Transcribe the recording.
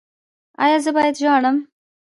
ایا زه باید ژاړم؟